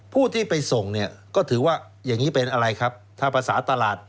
ผู้ที่ไปส่งเนี่ยก็ถือว่าอย่างนี้เป็นอะไรครับถ้าภาษาตลาด